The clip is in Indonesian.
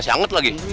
masih anget lagi